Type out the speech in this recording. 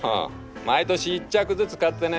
毎年１着ずつ買ってね